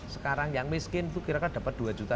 sekarang yang miskin itu kirakan dapat dua juta